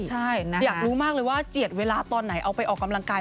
ใช่อยากรู้มากเลยว่าเจียดเวลาตอนไหนเอาไปออกกำลังกาย